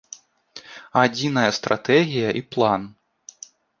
Адзіная стратэгія і план.